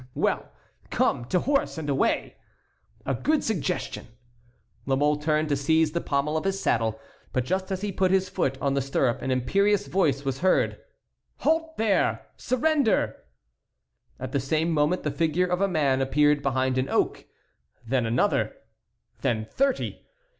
"Well! come; to horse and away!" "A good suggestion!" La Mole turned to seize the pommel of his saddle, but just as he put his foot in the stirrup an imperious voice was heard: "Halt there! surrender!" At the same moment the figure of a man appeared behind an oak, then another, then thirty.